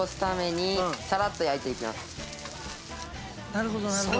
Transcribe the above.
なるほどなるほど。